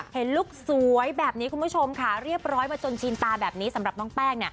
ลุคสวยแบบนี้คุณผู้ชมค่ะเรียบร้อยมาจนชินตาแบบนี้สำหรับน้องแป้ง